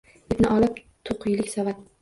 Ipni olib to‘qiylik savat —